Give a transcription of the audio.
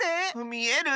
みえる？